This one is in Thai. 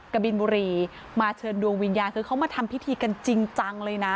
กบินบุรีมาเชิญดวงวิญญาณคือเขามาทำพิธีกันจริงจังเลยนะ